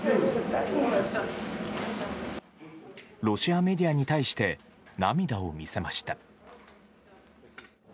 ロシアメディアに対して涙を見せました。